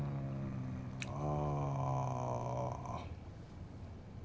ああ。